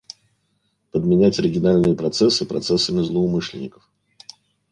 Подменять оригинальные процессы процессами злоумышленников